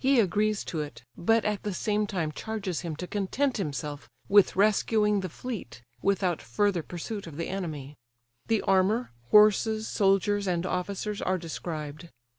He agrees to it, but at the same time charges him to content himself with rescuing the fleet, without further pursuit of the enemy. The armour, horses, soldiers, and officers are described.